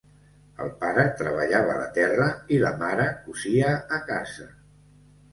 El pare treballava la terra i la mare cosia a casa.